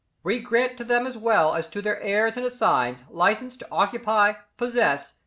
we grant to them as well as to their heirs and assigns, licence to occupy, possess ...